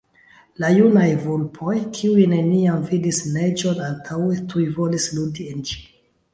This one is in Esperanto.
La junaj vulpoj, kiuj neniam vidis neĝon antaŭe, tuj volas ludi en ĝi.